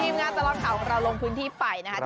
พี่มงานจะลองเอาเราลงพื้นที่ไปนะครับ